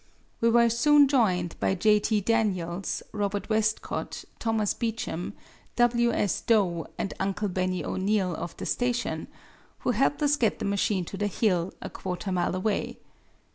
We were soon joined by J. T. Daniels, Robert Westcott, Thomas Beachem, W. S. Dough and Uncle Benny O'Neal, of the station, who helped us get the machine to the hill, a quarter mile away.